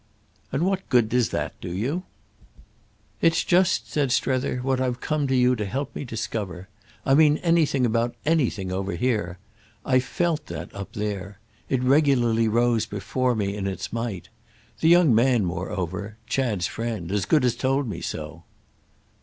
"And what good does that do you?" "It's just," said Strether, "what I've come to you to help me to discover. I mean anything about anything over here. I felt that, up there. It regularly rose before me in its might. The young man moreover—Chad's friend—as good as told me so."